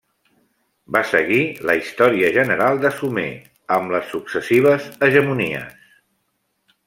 Va seguir la història general de Sumer, amb les successives hegemonies.